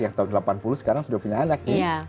yang tahun delapan puluh sekarang sudah punya anak ya